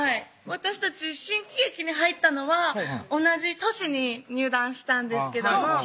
私たち新喜劇に入ったのは同じ年に入団したんですけども同期？